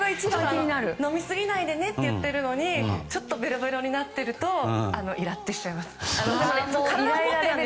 飲みすぎないでねって言ってるのにちょっとベロベロになってるとイラッとしちゃいます。